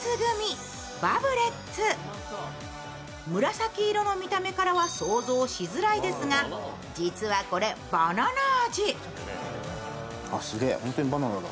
紫色の見た目からは想像しづらいですが、実はこれバナナ味。